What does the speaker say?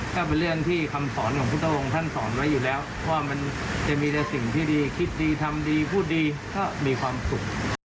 ก็เป็นเรื่องที่คำสอนของพุทธองค์ท่านสอนไว้อยู่แล้วว่ามันจะมีแต่สิ่งที่ดีคิดดีทำดีพูดดีก็มีความสุข